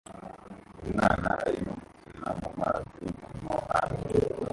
Umwana arimo gukina mumazi mumuhanda